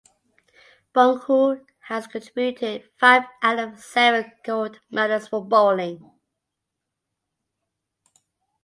Bong Coo has contributed five out of the seven gold medals for bowling.